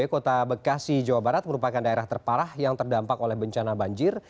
kota bekasi jawa barat merupakan daerah terparah yang terdampak oleh bencana banjir